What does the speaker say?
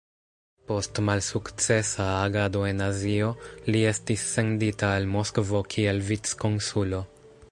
Post malsukcesa agado en Azio, li estis sendita al Moskvo kiel vic-konsulo.